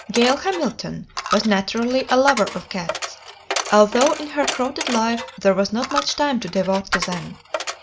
Gail Hamilton was naturally a lover of cats, although in her crowded life there was not much time to devote to them.